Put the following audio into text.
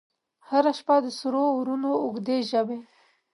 هره شپه د سرو اورونو، اوږدي ژبې،